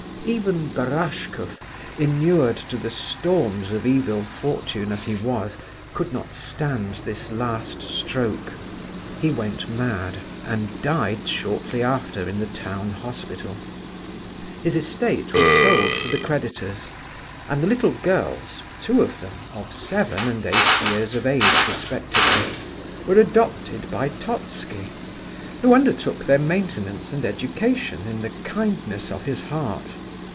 Even Barashkoff, inured to the storms of evil fortune as he was, could not stand this last stroke. He went mad and died shortly after in the town hospital. His estate was sold for the creditors; and the little girls—two of them, of seven and eight years of age respectively,—were adopted by Totski, who undertook their maintenance and education in the kindness of his heart.